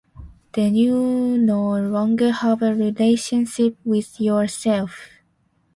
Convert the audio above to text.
Then you no longer have a relationship with yourself.